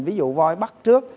ví dụ voi bắt trước